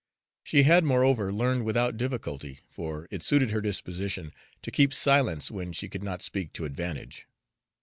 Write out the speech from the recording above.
She had moreover learned without difficulty, for it suited her disposition, to keep silence when she could not speak to advantage.